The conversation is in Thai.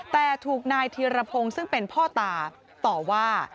แต่ถูกนายธีรพงศ์ซึ่งเป็นพ่อตาต่อว่า